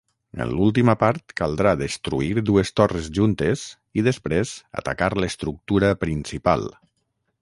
En l'última part caldrà destruir dues torres juntes i després atacar l'estructura principal.